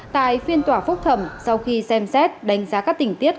tại phiên tòa phúc thẩm sau khi xem xét đánh giá các tình tiết